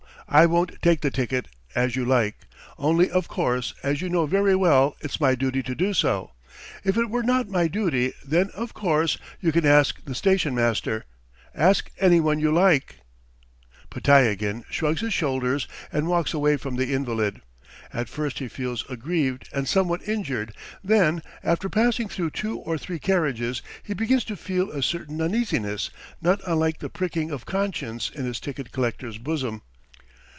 ... I won't take the ticket ... as you like .... Only, of course, as you know very well, it's my duty to do so. ... If it were not my duty, then, of course. .. You can ask the station master ... ask anyone you like. ..." Podtyagin shrugs his shoulders and walks away from the invalid. At first he feels aggrieved and somewhat injured, then, after passing through two or three carriages, he begins to feel a certain uneasiness not unlike the pricking of conscience in his ticket collector's bosom.